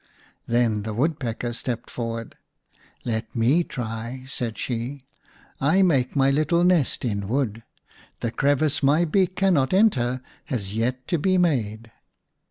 Then the Woodpecker stepped forward. " Let me try," said she. " I make my little nest in wood ; the crevice my beak cannot enter has yet to be made."